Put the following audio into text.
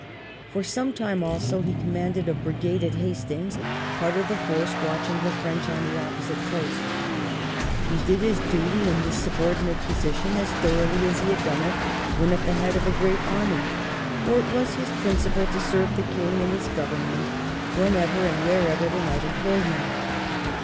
For some time also he commanded a brigade at Hastings, part of the force watching the French on the opposite coast. He did his duty in this subordinate position as thoroughly as he had done it when at the head of a great army, for it was his principle to serve the King and his Govern ment whenever and wherever they might employ him.